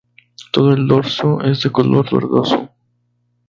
Todo el dorso es de color verdoso.